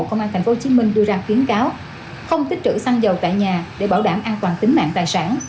công an tp hcm đưa ra khuyến cáo không tích trữ xăng dầu tại nhà để bảo đảm an toàn tính mạng tài sản